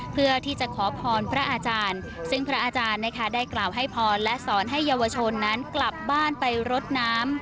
เพื่อที่จะขอพรพระอาจารย์ซึ่งพระอาจารย์นะคะได้กล่าวให้พรและสอนให้เยาวชนนั้นกลับบ้านไปรดน้ำ